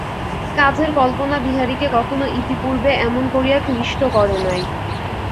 কাজের কল্পনা বিহারীকে কখনো ইতিপূর্বে এমন করিয়া ক্লিষ্ট করে নাই।